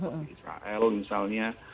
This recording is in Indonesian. seperti israel misalnya